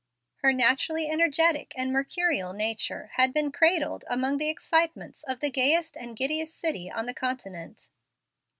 Her naturally energetic and mercurial nature had been cradled among the excitements of the gayest and giddiest city on the continent.